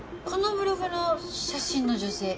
このブログの写真の女性